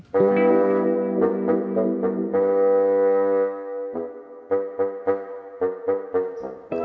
tidak ke warungnya entin ceng